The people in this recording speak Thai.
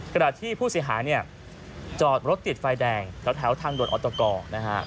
กระดาษที่ผู้เสียหายเนี่ยจอดรถติดไฟแดงรถแถวทางโดนอัตโกะนะฮะ